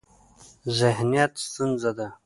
ذهنیت ستونزه ده.